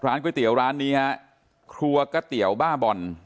ขอร้านก๋วยเตี๋ยวร้านนี้ครับครัวกะเตี๋ยวบ้าบอน